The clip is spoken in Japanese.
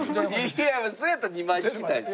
いやそれやったら２枚引きたいです。